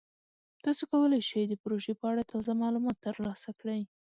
تاسو کولی شئ د پروژې په اړه تازه معلومات ترلاسه کړئ.